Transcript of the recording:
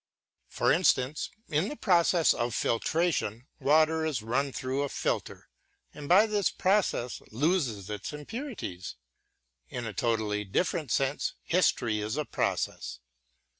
For instance, in the "process of filtration" water is run through a filter and by this process loses its impurities. In a totally different sense history is a process.